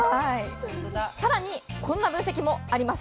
更にこんな分析もあります。